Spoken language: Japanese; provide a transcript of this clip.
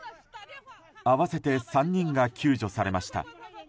合わせて３人が救助されました。